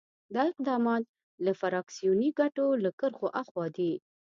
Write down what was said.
دا اقدامات له فراکسیوني ګټو له کرښو آخوا دي.